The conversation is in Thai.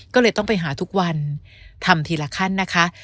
ก็เลยต้องไปหาทุกวันทำทีละขั้นนะคะ